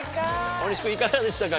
大西君いかがでしたか？